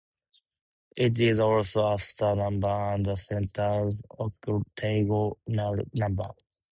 It is also a star number and a centered octagonal number.